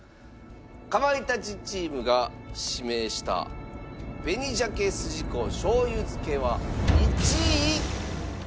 かまいたちチームが指名した紅鮭すじこ醤油漬けは１位。